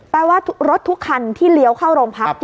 ว่ารถทุกคันที่เลี้ยวเข้าโรงพัก